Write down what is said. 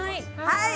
はい！